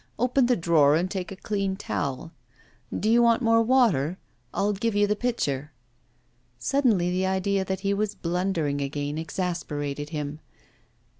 Open the drawer and take a clean towel. Do you want more water? I'll give you the pitcher.' Suddenly the idea that he was blundering again exasperated him.